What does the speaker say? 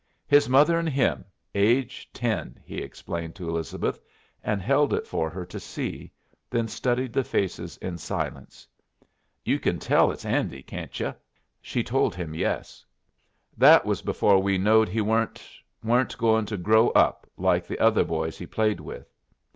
"His mother and him, age ten," he explained to Elizabeth, and held it for her to see, then studied the faces in silence. "You kin tell it's Andy, can't yu'?" She told him yes. "That was before we knowed he weren't weren't goin' to grow up like the other boys he played with.